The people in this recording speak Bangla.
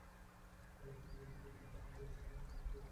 এতে ভোলাসহ দেশের বেশ কিছু স্থানে হালকা বৃষ্টিসহ দমকা হাওয়া বয়ে যায়।